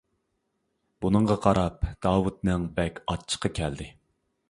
بۇنىڭغا قاراپ داۋۇتنىڭ بەك ئاچچىقى كەلدى.